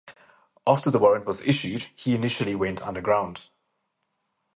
After the warrant was issued, he initially went underground.